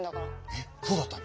えっ⁉そうだったの？